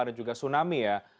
dan juga tsunami ya